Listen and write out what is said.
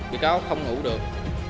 bị cáo không ngủ được